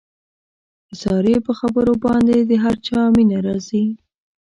د سارې په خبرو باندې د هر چا مینه راځي.